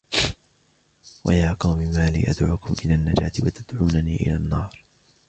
ويا قوم ما لي أدعوكم إلى النجاة وتدعونني إلى النار